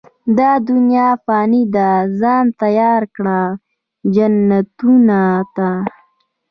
دا دنيا فاني ده، ځان تيار کړه، جنتونو ته